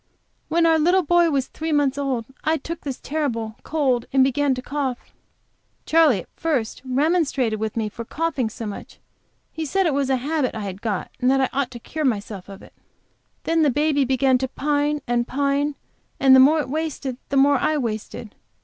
"When our little boy was three months old I took this terrible cold and began to cough. Charley at first remonstrated with me for coughing so much; he said it was a habit I had got, and that I ought to cure myself of it. Then the baby began to pine and pine, and the more it wasted the more I wasted.